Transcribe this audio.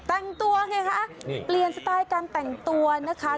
แต่งตัวไงคะเปลี่ยนสไตล์การแต่งตัวนะคะ